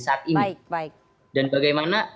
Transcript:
saat ini dan bagaimana